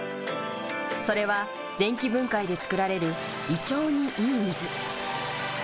それは電気分解で作られる胃腸にいい水。